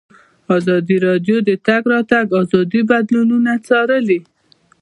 ازادي راډیو د د تګ راتګ ازادي بدلونونه څارلي.